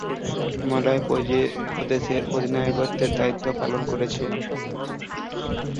হিমাচল প্রদেশের অধিনায়কত্বের দায়িত্ব পালন করেছেন।